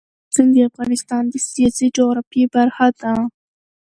د کابل سیند د افغانستان د سیاسي جغرافیې برخه ده.